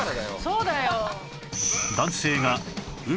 そうだよ。